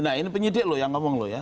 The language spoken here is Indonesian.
nah ini penyidik lo yang ngomong lo ya